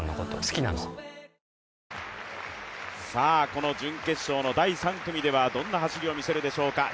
この準決勝の第３組ではどんな走りを見せるでしょうか？